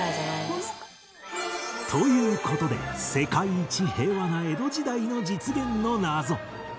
という事で世界一平和な江戸時代の実現の謎